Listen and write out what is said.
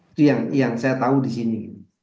itu yang saya tahu di sini